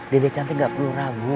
dede cantik gak perlu ragu